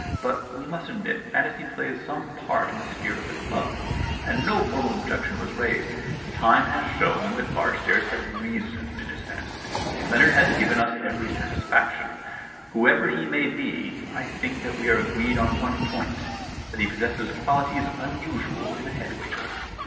But, we must admit, fantasy plays some part in the spirit of the club, and no formal objection was raised. Time has shown that Barstairs had reason in his fantasy. Leonard has given 107 The Problem Club us every satisfaction. Whoever he may be, I think that we are agreed on one point — that he possesses qualities unusual in a head waiter.